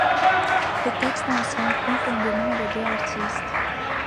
Les textes anciens confondent les deux artistes.